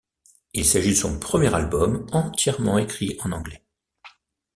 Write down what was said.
Il s'agit de son premier album entièrement écrit en anglais.